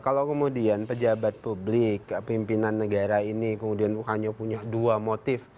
kalau kemudian pejabat publik pimpinan negara ini kemudian hanya punya dua motif